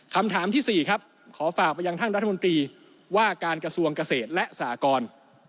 คำถามที่๔ครับขอฝากไปยังท่านรัฐมนตรีว่าการกระทรวงเกษตรและสหกร